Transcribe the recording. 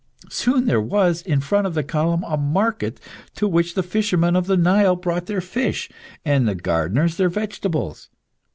Soon there was, in front of the column, a market to which the fishermen of the Nile brought their fish, and the gardeners their vegetables.